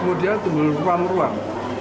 kemudian tembul ruang ruang